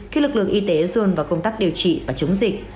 khi lực lượng y tế dồn vào công tác điều trị và chống dịch